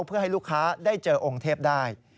เพื่อให้ลูกค้าได้เจอองค์เทพได้